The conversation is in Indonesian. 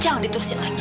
jangan diturusin lagi